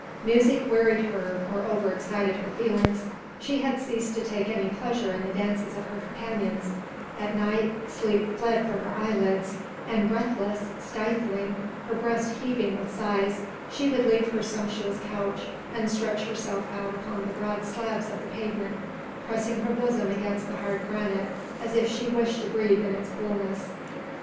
Music wearied her or overexcited her feelings; she had ceased to take any pleasure in the dances of her companions; at night, sleep fled from her eyelids, and breathless, stifling, her breast heaving with sighs, she would leave her sumptuous couch and stretch herself out upon the broad slabs of the pavement, pressing her bosom against the hard granite as if she wished to breathe in its coolness.